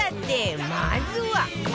まずは